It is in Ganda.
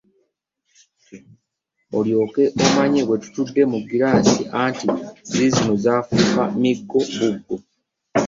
Olyoke omanye bwe tutudde mu giraasi, anti ziizino zaafuuka miggo buggo.